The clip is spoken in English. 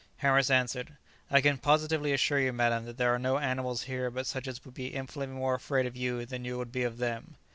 Harris answered, "I can positively assure you, madam, that there are no animals here but such as would be infinitely more afraid of you than you would be of them."